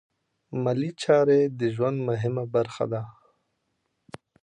مالي چارې د ژوند مهمه برخه ده.